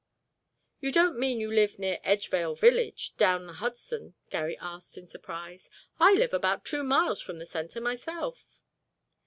"You don't mean you live near Edgevale Village, down the Hudson?" Garry asked in surprise. "I live about two miles from the Centre myself."